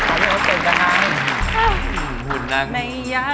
ร้องเพลงไหม